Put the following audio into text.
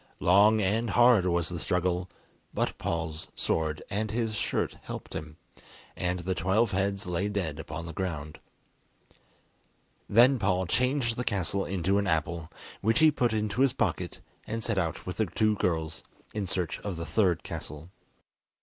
Long and hard was the struggle, but Paul's sword and his shirt helped him, and the twelve heads lay dead upon the ground. Then Paul changed the castle into an apple, which he put into his pocket, and set out with the two girls in search of the third castle.